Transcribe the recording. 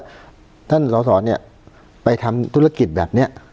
ส่วนต้นเราสอนเนี่ยไปทำธุรกิจแบบเนี้ย